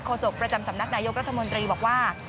โศกประจำสำนักนายกรัฐมนตรีบอกว่า